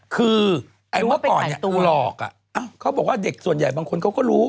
คือเมื่อก่อนเนี่ยดูหลอกเขาบอกว่าเด็กส่วนใหญ่บางคนเขาก็รู้